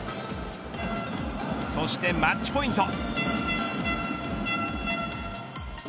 そしてマッチポイント。